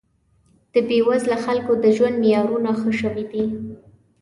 د بې وزله خلکو د ژوند معیارونه ښه شوي دي